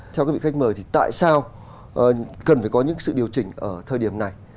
theo các vị khách mời thì tại sao cần phải có những sự điều chỉnh ở thời điểm này